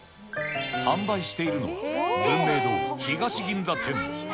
販売しているのは、文明堂東銀座店。